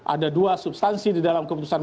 ada dua substansi di dalam keputusan